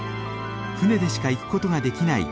船でしか行くことができない